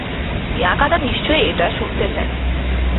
ইয়াদাকা নিশ্চয়ই এটা শুনতে চায়।